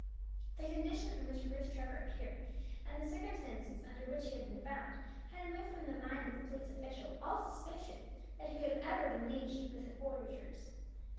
The condition in which Bruce Trevor appeared, and the circumstances under which he had been found, had removed from the mind of the police official all suspicion that he could ever have been leagued with the forgers.